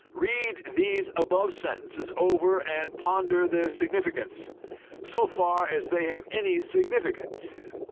Read these above sentences over and ponder their significance so far as they have any significance.